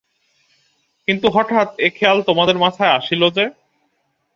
কিন্তু হঠাৎ এ খেয়াল তোমাদের মাথায় আসিল যে?